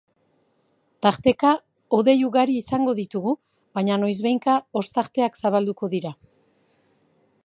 Tarteka, hodei ugari izango ditugu, baina noizbehinka ostarteak zabalduko dira.